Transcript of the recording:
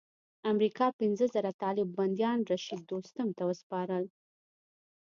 امریکا پنځه زره طالب بندیان رشید دوستم ته وسپارل.